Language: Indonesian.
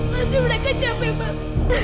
masih udah kecap hebat